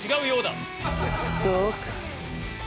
そうか。